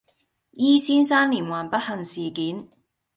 E 先生連環不幸事件